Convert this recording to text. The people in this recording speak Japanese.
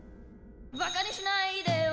「馬鹿にしないでよ」